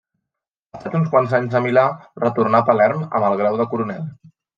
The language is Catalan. Passats uns quants anys a Milà, retornà a Palerm amb el grau de coronel.